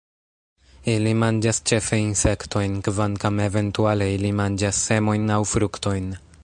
Ili manĝas ĉefe insektojn, kvankam eventuale ili manĝas semojn aŭ fruktojn.